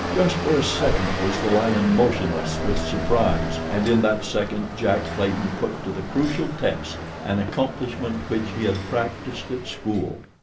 Just for a second was the lion motionless with surprise and in that second Jack Clayton put to the crucial test an accomplishment which he had practiced at school.